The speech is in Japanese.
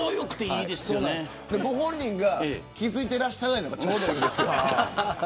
ご本人が気付いていないのがちょうどいいです。